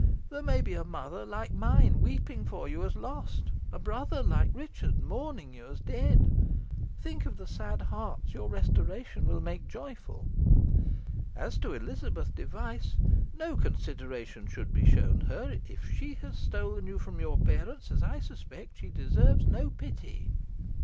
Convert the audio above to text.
There may be a mother, like mine, weeping for you as lost a brother, like Richard, mourning you as dead. Think of the sad hearts your restoration will make joyful. As to Elizabeth Device, no consideration should be shown her. If she has stolen you from your parents, as I suspect, she deserves no pity."